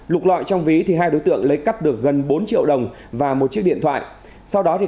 lục lọi trong ví hai đối tượng lấy cắp được gần bốn triệu đồng và một chiếc điện thoại